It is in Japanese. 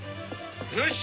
よし！